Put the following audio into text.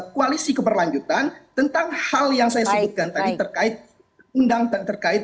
koalisi keberlanjutan tentang hal yang saya sebutkan tadi terkait undangan terkait